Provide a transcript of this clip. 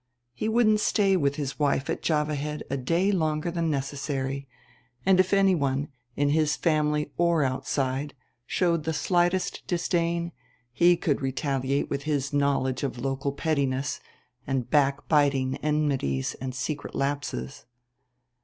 He wouldn't stay with his wife at Java Head a day longer than necessary; and if anyone, in his family or outside, showed the slightest disdain he could retaliate with his knowledge of local pettiness, the backbiting enmities and secret lapses.